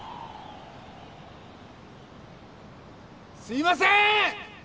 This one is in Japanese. すいません！